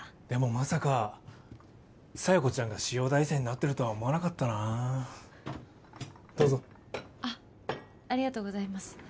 まさか佐弥子ちゃんが潮大生になってるとは思わなかったなあどうぞあっありがとうございます